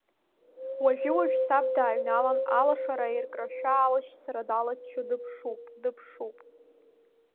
Уажәы-уажәы саб дааҩналан, алашара аиркрашәа, алашьцара далаччо дыԥшуп, дыԥшуп…